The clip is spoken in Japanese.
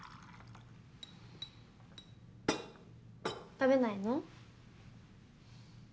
食べないの？